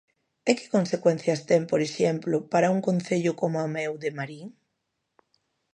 ¿E que consecuencias ten, por exemplo, para un concello como o meu, de Marín?